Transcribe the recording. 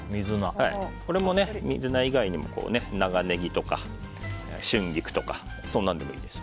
これも水菜以外でも長ネギとか、春菊とかそんなんでもいいです。